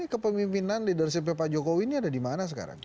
kepemimpinan leadershipnya pak jokowi ini ada di mana sekarang